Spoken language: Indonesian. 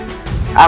apapun yang terjadi